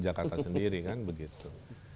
jakarta sendiri kan begitu